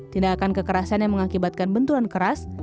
tindakan kekerasan yang mengakibatkan benturan keras